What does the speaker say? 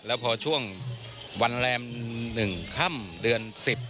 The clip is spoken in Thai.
แล้วพอช่วงวันแรม๑ค่ำเดือน๑๐